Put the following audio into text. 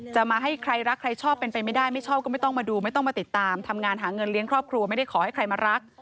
จะมาให้ใครรักใครชอบเป็นไปไม่ได้ไม่ชอบก็ไม่ต้องมาดูไม่ต้องมาติดตามทำงานหาเงินเลี้ยงครอบครัวไม่ได้ขอให้ใครมารัก